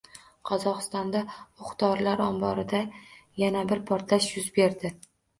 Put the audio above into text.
Qozog‘istonda o‘q-dorilar omborida yana bir portlash yuz berdi